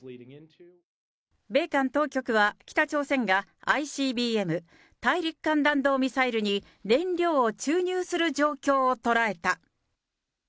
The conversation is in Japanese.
米韓当局は北朝鮮がＩＣＢＭ・大陸間弾道ミサイルに燃料を注入する状況を捉えた。